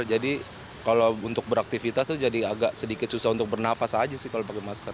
kalau untuk beraktivitas itu jadi agak sedikit susah untuk bernafas aja sih kalau pakai masker